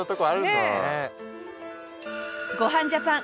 『ごはんジャパン』